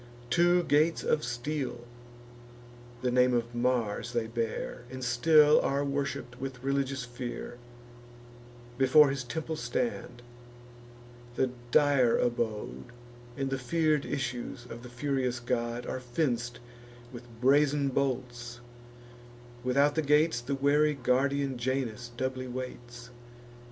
Two gates of steel (the name of Mars they bear, And still are worship'd with religious fear) Before his temple stand: the dire abode, And the fear'd issues of the furious god, Are fenc'd with brazen bolts; without the gates, The wary guardian Janus doubly waits.